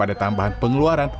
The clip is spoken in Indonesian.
dan menyebabkan tambahan pengeluaran